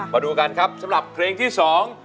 มาดูกันครับสำหรับเพลงที่สอง